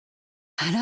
あら？